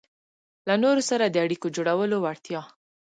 -له نورو سره د اړیکو جوړولو وړتیا